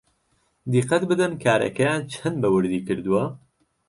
دیقەت بدەن کارەکەیان چەند بەوردی کردووە